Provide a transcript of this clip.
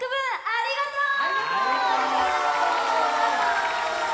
ありがとう！